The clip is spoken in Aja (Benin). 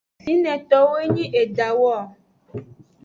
Fine towo nyi edawo.